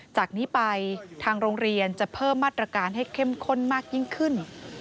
จากนี้ไปทางโรงเรียนจะเพิ่มมาตรการให้เข้มข้นมากยิ่งขึ้น